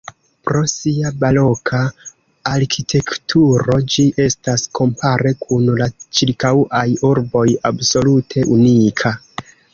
Pro sia baroka arkitekturo ĝi estas kompare kun la ĉirkaŭaj urboj absolute unika.